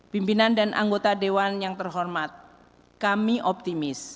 pimpinan dan anggota dewan yang terhormat kami optimis